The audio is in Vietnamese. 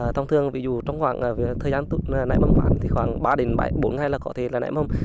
thông thường ví dụ trong khoảng thời gian nãy mầm khoảng thì khoảng ba đến bốn ngày là có thể là nãy mầm